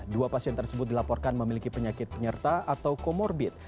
dua pasien tersebut dilaporkan memiliki penyakit penyerta atau comorbid